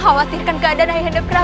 kau tak semakin menyerah